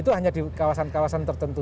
itu hanya di kawasan kawasan tertentu